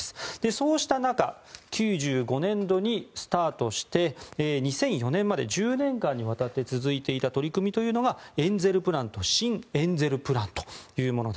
そうした中、９５年度にスタートして２００４年まで１０年間にわたって続いていた取り組みというのがエンゼルプランと新エンゼルプランというもの。